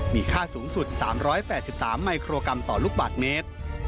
มีค่าสูงสุด๓๘๓มิโครกรัมต่อลูกบาทเมตร